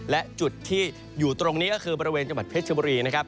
และจุดที่อยู่ตรงนี้ก็คือบริเวณจังหวัดเพชรบุรีนะครับ